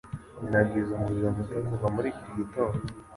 Nagize umuriro muto kuva muri iki gitondo.